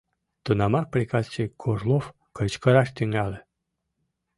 Тунамак приказчик Горлов кычкыраш тӱҥале: